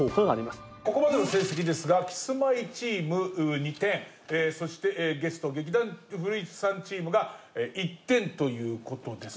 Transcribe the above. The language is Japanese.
ここまでの成績ですがキスマイチーム２点そしてゲスト劇団・古市さんチームが１点という事です。